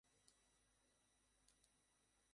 এসব কিছু তারই প্লান।